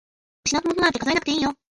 失ったものなんて数えなくていいよ。